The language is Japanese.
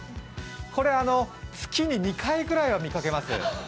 これ、月に２回くらいは見かけます。